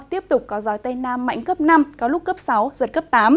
tiếp tục có gió tây nam mạnh cấp năm có lúc cấp sáu giật cấp tám